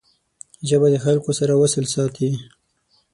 ژبه د خلګو سره وصل ساتي